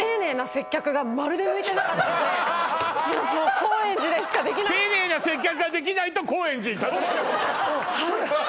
なんでもう高円寺でしかできない丁寧な接客ができないと高円寺にたどり着く？